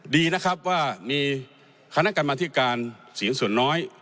ดีนะครับว่ามีคณะกรรมธิการเสียงส่วนน้อย